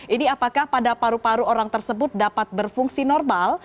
ini apakah pada paru paru orang tersebut dapat berfungsi normal